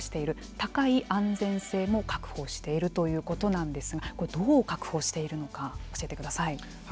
高い安全性も確保しているということなんですがこれ、どう確保しているのか教えてください。